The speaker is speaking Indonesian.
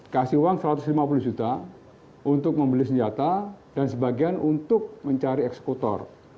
kasih uang satu ratus lima puluh juta untuk membeli senjata dan sebagian untuk mencari eksekutor